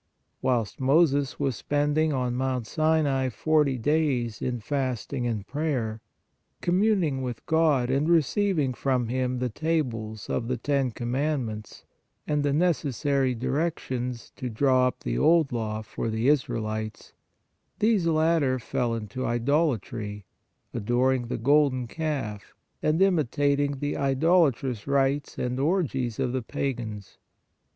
Whilst Moses was spending on Mount Sinai forty days in fasting and prayer, communing with God and receiving from Him the tables of the Ten Commandments and the necessary directions to draw up the Old Law for the Israelites, these latter fell into idolatry, adoring the golden calf and imitating the idolatrous rites and orgies of the pagans.